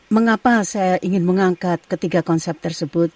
mengapa saya ingin mengangkat ketiga konsep tersebut